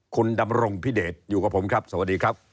คุณดำรงพิเดชอยู่กับผมครับสวัสดีครับ